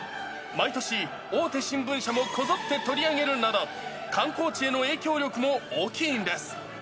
毎年、大手新聞社もこぞって取り上げるなど、観光地への影響力も大きいんです。